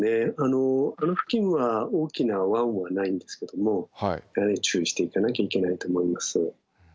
あの付近は大きな湾はないんですけどもやはり注意していかなきゃいけないと思います。